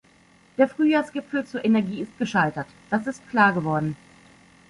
Der Frühjahrsgipfel zur Energie ist gescheitert, das ist klar geworden.